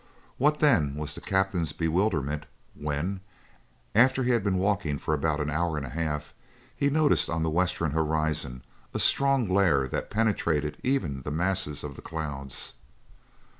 What, then, was the captain's bewilderment when, after he had been walking for about an hour and a half, he noticed on the western horizon a strong glare that penetrated even the masses of the clouds.